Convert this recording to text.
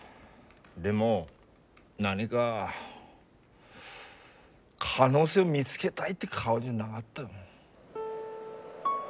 でも何が可能性を見つけたいって顔じゃなかった。